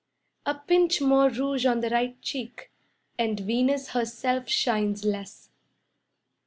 A pinch more rouge on the right cheek, And Venus herself shines less..."